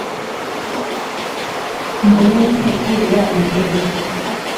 mbone ntegure ya miringa